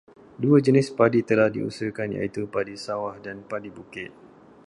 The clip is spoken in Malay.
Dua jenis padi telah diusahakan iaitu padi sawah dan padi bukit.